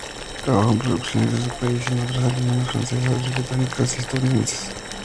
Trabajó en producciones de su país y en otras alemanas, francesas, británicas y estadounidenses.